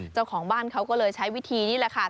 เจ้าของบ้านเขาก็เลยใช้วิธีนี่แหละค่ะ